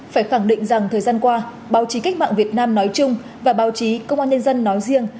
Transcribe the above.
phải khẳng định rằng thời gian qua báo chí cách mạng việt nam nói chung và báo chí công an nhân dân nói riêng